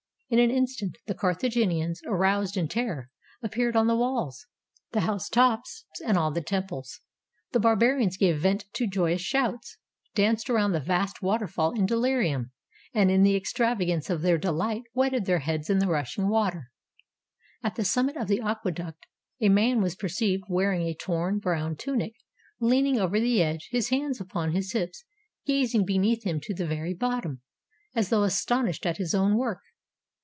In an instant, the Carthaginians, aroused in ter ror, appeared on the walls, the housetops, and on the temples. The Barbarians gave vent to joyous shouts, danced around the vast waterfall in delirium, and in the extravagance of their delight wetted their heads in the rushing water. At the summit of the aqueduct a man was perceived wearing a torn, brown tunic, leaning over the edge, his hands upon his hips, gazing beneath him to the very bottom, as though astonished at his own work.